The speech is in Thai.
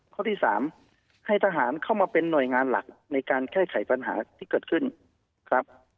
ข้อที่๓ให้ทหารเข้ามาเป็นหน่วยงานหลักในการแก้ไขปัญหาที่เกิดขึ้นครับ